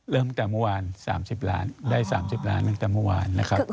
เริ่มตั้งแต่เมื่อวาน๓๐ล้านได้๓๐ล้านตั้งแต่เมื่อวานนะครับ